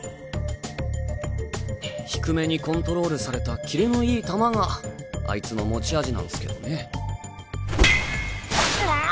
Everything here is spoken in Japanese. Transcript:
低めにコントロールされたキレのいい球があいつの持ち味なんスけどね。